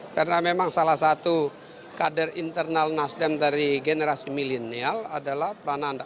karena memang salah satu kader internal nasdem dari generasi milenial adalah prananda